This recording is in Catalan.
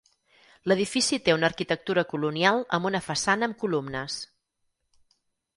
L'edifici té una arquitectura colonial amb una façana amb columnes.